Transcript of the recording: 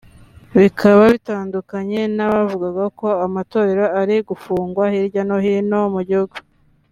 bikaba bitandukanye n’abavugaga ko Amatorero ari gufungwa hirya no hino mu gihugu